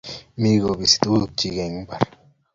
Mi ko pisi tukukyi eng mbar